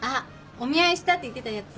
お見合いしたって言ってたヤツ？